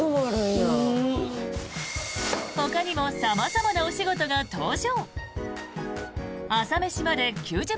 ほかにも様々なお仕事が登場。